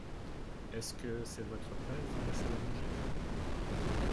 Est-ce que c’est votre place dans la salle à manger ?